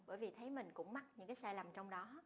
bởi vì thấy mình cũng mắc những cái sai lầm trong đó